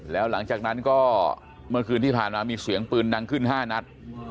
แล้วหลังจากนั้นก็เมื่อคืนที่ผ่านมามีเสียงปืนดังขึ้น๕นัด